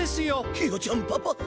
ひよちゃんパパ。